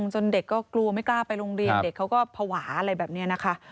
จนเด็กก็กลัวไม่กล้าไปโรงเรียนเด็กเขาก็ภาวะอะไรแบบนี้นะคะ